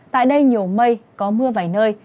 tại đây nhiều mây có mưa vài nơi